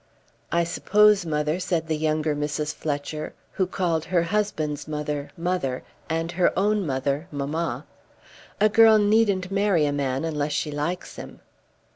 "I suppose, mother," said the younger Mrs. Fletcher, who called her husband's mother, mother, and her own mother, mamma, "a girl needn't marry a man unless she likes him."